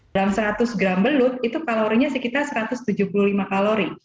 dalam seratus gram belut itu kalorinya sekitar satu ratus tujuh puluh lima kalori